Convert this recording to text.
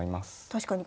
確かに。